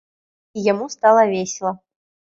І яму стала весела.